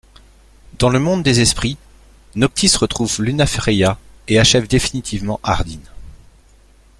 Dans le monde des esprits, Noctis retrouve Lunafreya et achève définitivement Ardyn.